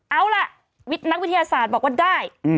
เอาล่ะวิทย์นักวิทยาศาสตร์บอกว่าได้